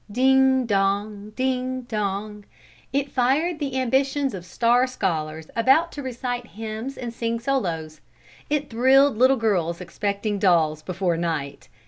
Ding dong! Ding dong! It fired the ambitions of star scholars about to recite hymns and sing solos. It thrilled little girls expecting dolls before night.